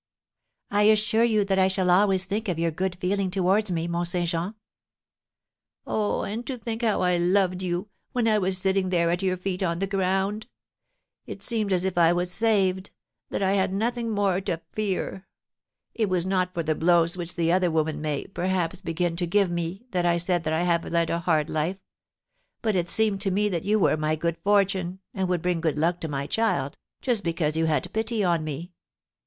"I assure you that I shall always think of your good feeling towards me, Mont Saint Jean." "Oh, and to think how I loved you, when I was sitting there at your feet on the ground! It seemed as if I was saved, that I had nothing more to fear! It was not for the blows which the other women may, perhaps, begin again to give me that I said that I have led a hard life; but it seemed to me that you were my good fortune, and would bring good luck to my child, just because you had pity on me.